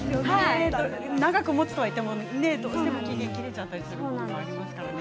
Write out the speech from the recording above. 長くもつとはいってもどうしても期限が切れてしまったりしますからね。